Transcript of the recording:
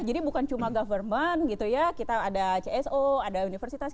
jadi bukan cuma government gitu ya kita ada cso ada universitas